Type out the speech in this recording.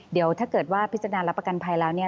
เดี๋ยวถ้าเกิดว่าพิจารณารับประกันภัยแล้วเนี่ย